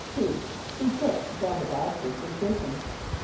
= Who put J[)o]hn the B[)a]p´t[)i]st in prison?